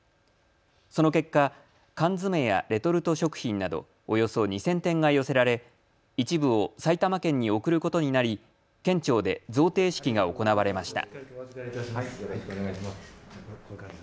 その結果、缶詰やレトルト食品などおよそ２０００点が寄せられ一部を埼玉県に贈ることになり県庁で贈呈式が行われました。